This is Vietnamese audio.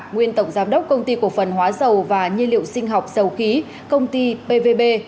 nguyên tổng giám đốc công ty cổ phần hóa dầu và nhiên liệu sinh học dầu khí công ty pvb